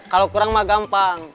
kalau kurang mah gampang